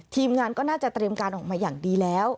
ทีมงานก็น่าจะเตรียมการออกมาอย่างดีแล้ว